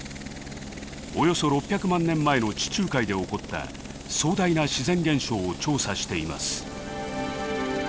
およそ６００万年前の地中海で起こった壮大な自然現象を調査しています。